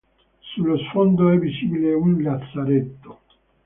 Sullo sfondo è visibile un lazzaretto.